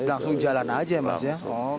langsung jalan aja ya mas ya